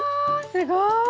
すごい。